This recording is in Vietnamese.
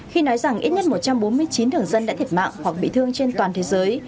khi nói rằng ít nhất một trăm bốn mươi chín thường dân đã thiệt mạng hoặc bị thương trên toàn thế giới